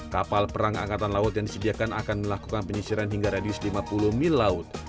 kapal perang angkatan laut yang disediakan akan melakukan penyisiran hingga radius lima puluh mil laut